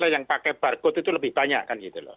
yang pakai barcode itu lebih banyak